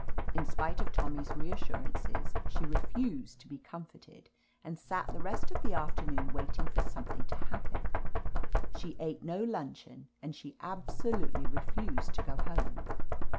In spite of Tommy's reassurances, she re fused to be comforted, and sat the rest of the afternoon waiting for something to happen. She ate no luncheon, and she absolutely refused to go home.